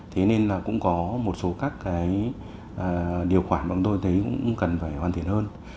thế nên là cũng có một số các cái điều khoản mà chúng tôi thấy cũng cần phải hoàn thiện hơn